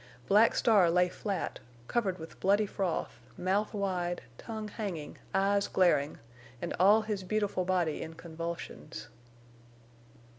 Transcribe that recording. Black Star lay flat, covered with bloody froth, mouth wide, tongue hanging, eyes glaring, and all his beautiful body in convulsions.